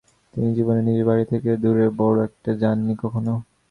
তিনি জীবনে নিজের বাড়ি থেকে দূরে বড়ো একটা যাননি কখনও।